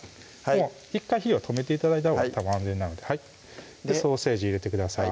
１回火を止めて頂いたほうが安全なのでソーセージ入れてください